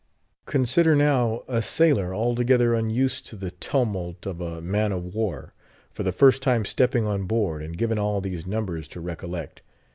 Consider, now, a sailor altogether unused to the tumult of a man of war, for the first time stepping on board, and given all these numbers to recollect.